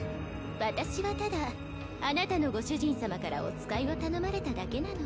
私はただあなたのご主人様からお使いを頼まれただけなの。